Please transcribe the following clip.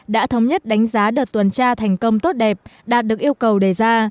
đã thống nhất đánh giá đợt tuần tra thành công tốt đẹp đạt được yêu cầu đề ra